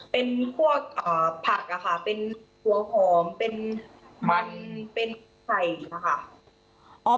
เป็นพวกผักค่ะเป็นหัวหอมเป็นมันเป็นไข่นะคะ